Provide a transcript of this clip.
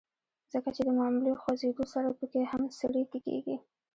ځکه چې د معمولي خوزېدو سره پکښې هم څړيکې کيږي